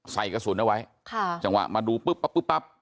ใส่กระสุนเอาไว้ค่ะจังหวะมาดูปุ๊บปั๊บปุ๊บปั๊บ